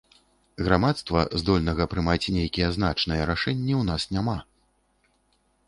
Грамадства, здольнага прымаць нейкія значныя рашэнні ў нас няма.